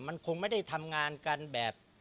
มันคงไม่ได้ทำงานกันแบบ